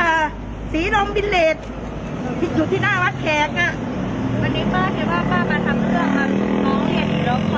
อ่าสีลมบินเลสอยู่ที่หน้าวัดแขกอ่ะวันนี้ป้าคิดว่าป้ามาทำเครื่อง